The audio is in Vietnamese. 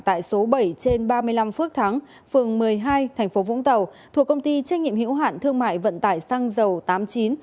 tại số bảy trên ba mươi năm phước thắng phường một mươi hai thành phố vũng tàu thuộc công ty trách nhiệm hữu hạn thương mại vận tải xăng dầu tám mươi chín